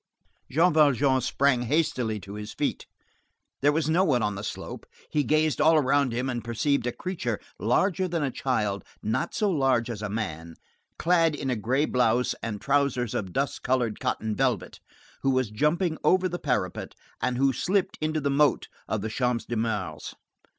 Jean Valjean sprang hastily to his feet; there was no one on the slope; he gazed all around him and perceived a creature larger than a child, not so large as a man, clad in a gray blouse and trousers of dust colored cotton velvet, who was jumping over the parapet and who slipped into the moat of the Champ de Mars.